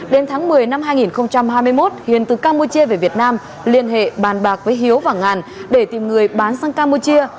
đến tháng một mươi năm hai nghìn hai mươi một hiền từ campuchia về việt nam liên hệ bàn bạc với hiếu và ngàn để tìm người bán sang campuchia